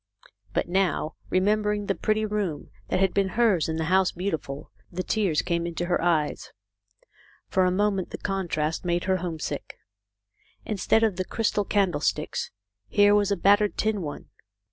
But now, remembering the pretty room that had been hers in the House Beautiful, the tears came into her eyes. For a moment the contrast made her homesick. Instead of the crystal candle sticks, here was a battered tin one.